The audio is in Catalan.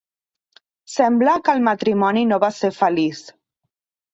Sembla que el matrimoni no va ser feliç.